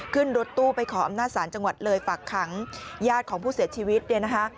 ขึ้นรถตู้ไปขออำนาจศาลจังหวัดเลยฝากขังญาติของผู้เสียชีวิตเนี่ยนะคะ